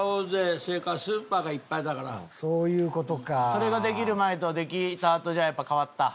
それができる前とできたあとじゃやっぱ変わった？